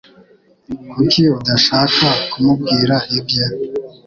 Kuki udashaka kumubwira ibye?